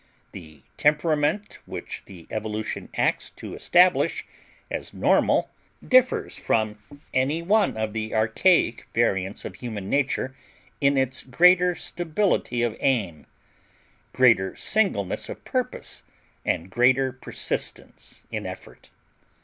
The temperament which the evolution acts to establish as normal differs from any one of the archaic variants of human nature in its greater stability of aim greater singleness of purpose and greater persistence in effort.